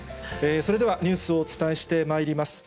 それではニュースをお伝えしてまいります。